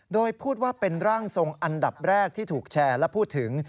โดยพูดว่าเป็นร่างทรงอันดับแรกที่ถูกแชร์และพูดถึง